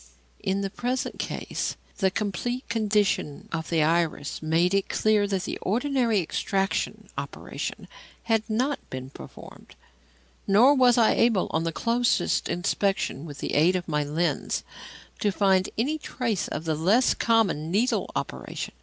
In the present case, the complete condition of the iris made it clear that the ordinary extraction operation had not been performed, nor was I able, on the closest inspection with the aid of my lens, to find any trace of the less common "needle operation."